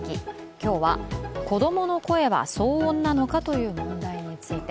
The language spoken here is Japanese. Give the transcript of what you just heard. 今日は子供の声は騒音なのかという問題について。